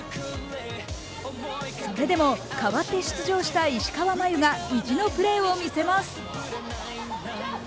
それでも代わって出場した石川真佑が意地のプレーを見せます。